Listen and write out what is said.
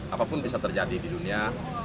apapun bisa terjadi di dunia